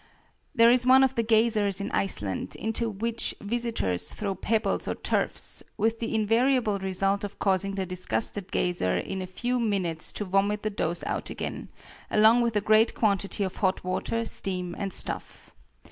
There is one of the geysers in Iceland, into which visitors throw pebbles or turfs, with the invariable result of causing the disgusted geyser in a few minutes to vomit the dose out again, along with a great quantity of hot water, steam, and stuff.